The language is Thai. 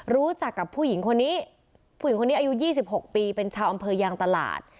รู้จักกับผู้หญิงคนนี้ผู้หญิงคนนี้อายุ๒๖ปีเป็นชาวอำเภอยางตลาด